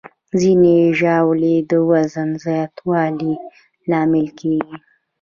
ځینې ژاولې د وزن زیاتوالي لامل کېږي.